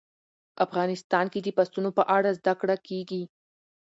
افغانستان کې د پسونو په اړه زده کړه کېږي.